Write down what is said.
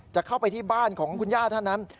จะเข้าไปที่บ้านของคุณย่าท่านนั้น